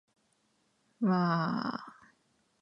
わあーーーーーーーーーー